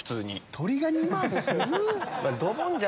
鶏が２万する？